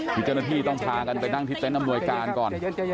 วิจารณาที่ต้องพากันไปดั้งที่เต็มอำนวยการก่อน